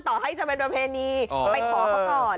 ต่อให้จะเป็นประเพณีไปขอเขาก่อน